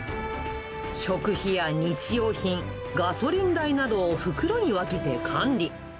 食費や日用品、ガソリン代などを袋に分けて管理。